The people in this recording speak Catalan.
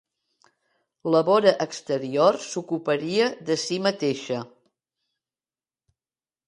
La vora exterior s'ocuparia de si mateixa.